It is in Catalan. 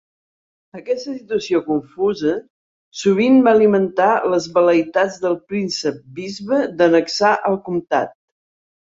Aquesta situació confusa sovint va alimentar les vel·leïtats del príncep-bisbe d'annexar el comtat.